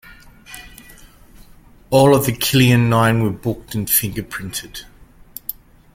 All of the "Killian Nine" were booked and fingerprinted.